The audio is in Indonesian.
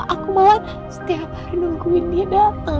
aku malah setiap hari nungguin dia datang